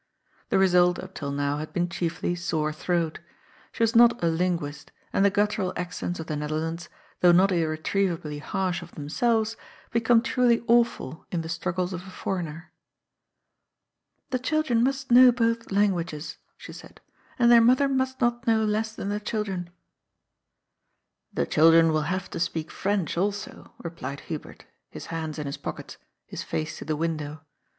The result up till now had been chiefly sore throat. She was not a linguist; and the guttural accents of the Netherlands, though not irretrievably harsh of themselves, become truly awful in the struggles of a foreigner. '^ The children must know both languages," she said, " and their mother must not know less than the children." The children will have to speak French also," replied Hu bert, his hands in his pockets, his face to the window.